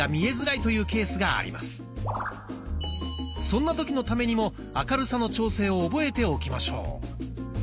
そんな時のためにも明るさの調整を覚えておきましょう。